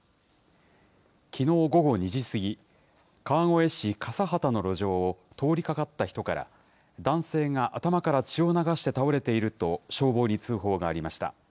きのう午後２時過ぎ、川越市笠幡の路上を通りかかった人から、男性が頭から血を流して倒れていると、消防に通報がありました。